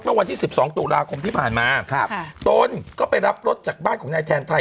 เมื่อวันที่๑๒ตุลาคมที่ผ่านมาตนก็ไปรับรถจากบ้านของนายแทนไทย